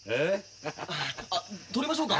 あっ取りましょうか？